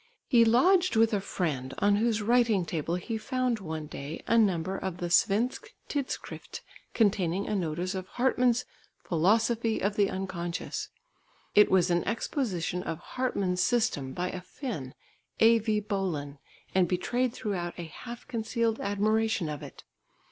He lodged with a friend on whose writing table he found one day a number of the Svensk Tidskrift containing a notice of Hartmann's Philosophy of the Unconscious. It was an exposition of Hartmann's system by a Finn, A.V. Bolin, and betrayed throughout a half concealed admiration of it.